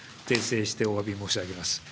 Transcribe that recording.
訂正しておわび申し上げます。